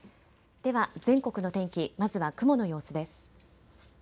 では全国の天気、まずは雲の様子です。